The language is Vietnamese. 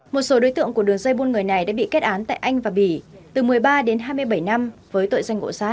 một số đối tượng của đường dây buôn người này đã bị kết án tại anh và bỉ từ một mươi ba đến hai mươi bảy năm với tội danh bộ sát